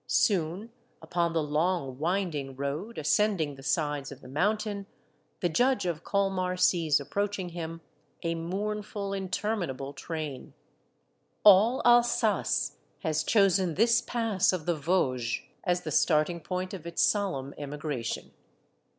Soon, upon the long, winding road ascending the sides of the 1 8 Monday Tales, mountain, the Judge of Colmar sees approaching him a mournful, interminable train ; all Alsace has chosen this pass of the Vosges as the starting point of its solemn emigration